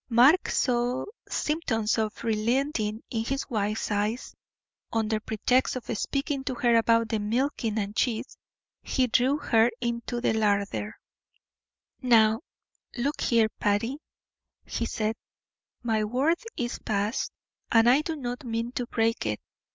Mark saw symptoms of relenting in his wife's eyes; under pretext of speaking to her about the milking and cheese, he drew her into the larder. "Now, look here, Patty," he said, "my word is passed, and I do not mean to break it.